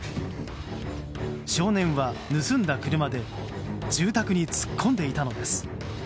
少年は盗んだ車で住宅に突っ込んでいたのです。